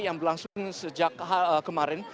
yang berlangsung sejak kemarin